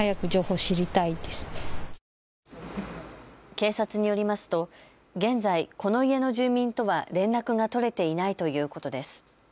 警察によりますと現在この家の住民とは連絡が取れていないということです。